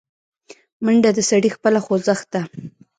منډه د سړي خپله خوځښت ده